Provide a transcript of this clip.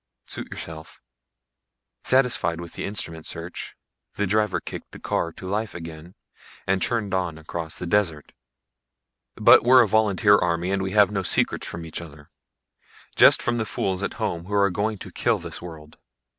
"Suit yourself." Satisfied with the instrument search, the driver kicked the car to life again and churned on across the desert. "But we're a volunteer army and we have no secrets from each other. Just from the fools at home who are going to kill this world."